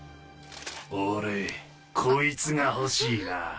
俺こいつが欲しいな。